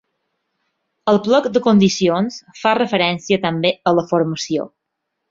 El plec de condicions fa referència també a la formació.